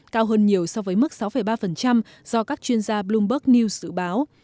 cao hơn nhiều so với mức sáu ba do các chuyên gia bloomberg news dự báo